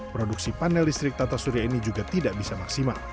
produksi panel listrik tata surya ini juga tidak bisa maksimal